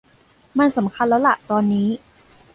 มันสำคัญแล้วล่ะตอนนี้